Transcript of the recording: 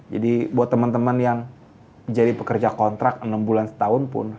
jadi buat teman teman yang jadi pekerja kontrak enam bulan setahun pun